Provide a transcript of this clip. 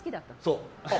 そう！